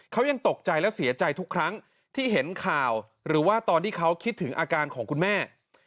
เขายังตกใจและเสียใจทุกครั้งที่เห็นข่าวหรือว่าตอนที่เขาคิดถึงอาการของคุณแม่